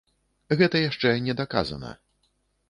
Гэта яшчэ не даказана.